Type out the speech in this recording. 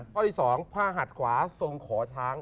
เพราะสองพาหัสขวาส่งขอช้าง